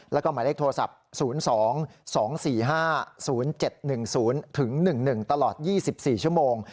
แล้วก็หมายเลขโทรศัพท์๐๒๒๔๕๐๗๑๐ถึง๑๑ตลอด๒๔ชั่วโมง